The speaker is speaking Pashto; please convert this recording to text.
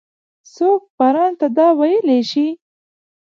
څوک وباران ته دا ویلای شي؟